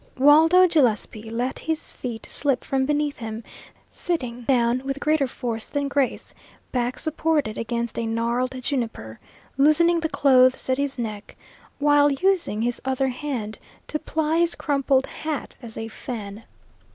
Waldo Gillespie let his feet slip from beneath him, sitting down with greater force than grace, back supported against a gnarled juniper, loosening the clothes at his neck while using his other hand to ply his crumpled hat as a fan.